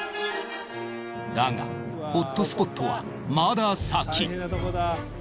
だがホットスポットはまだ先。